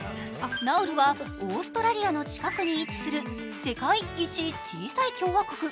ナウルはオーストラリアの近くに位置する世界一小さい共和国。